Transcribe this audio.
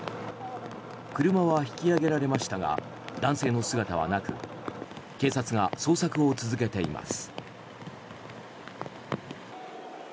車は引き揚げられましたが男性の姿はなく警察が捜索を続けています。